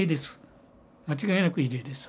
間違いなく異例です